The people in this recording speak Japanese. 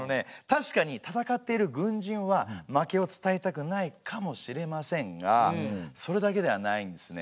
確かに戦っている軍人は負けを伝えたくないかもしれませんがそれだけではないんですね。